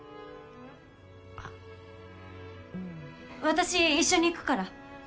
私一緒に行くから。